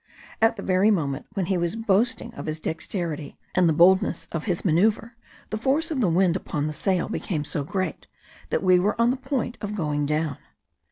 At the very moment when he was boasting of his dexterity, and the boldness of his manoeuvre, the force of the wind upon the sail became so great that we were on the point of going down.